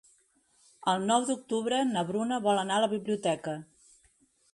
El nou d'octubre na Bruna vol anar a la biblioteca.